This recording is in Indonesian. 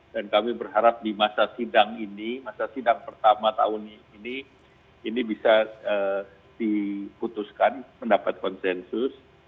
dan kami berharap di masa sidang ini masa sidang pertama tahun ini ini bisa diputuskan mendapat konsensus